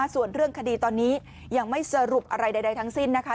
ส่วนเรื่องคดีตอนนี้ยังไม่สรุปอะไรใดทั้งสิ้นนะคะ